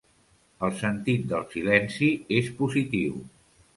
El sentit del silenci és positiu.